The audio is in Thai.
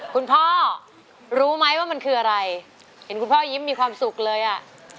คุณพ่อรู้ไหมว่ามันคืออะไรเห็นคุณพ่อยิ้มมีความสุขเลยอ่ะ